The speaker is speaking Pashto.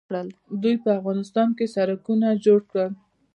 دوی په افغانستان کې سړکونه جوړ کړل.